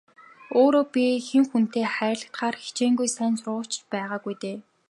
Өөрөө би хэн хүнд хайрлагдахаар хичээнгүй сайн сурагч ч байгаагүй дээ.